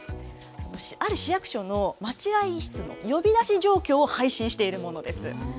ある市役所の待合室の呼び出し状況を配信しているものです。